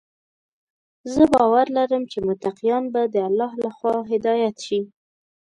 زه باور لرم چې متقیان به د الله لخوا هدايت شي.